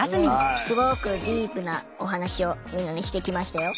すごくディープなお話をみんなでしてきましたよ。